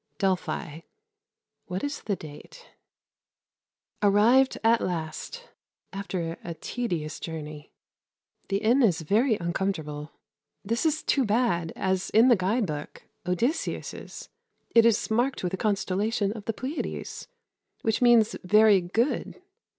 Delphi. (What is the date?) Arrived at last after a tedious journey. The inn is very uncomfortable. This is too bad, as in the guide book (Odysseus') it is marked with a constellation of the Pleiades, which means very good.